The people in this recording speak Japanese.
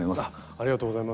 ありがとうございます。